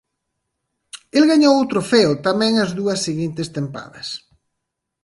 El gañou o trofeo tamén as dúas seguintes tempadas.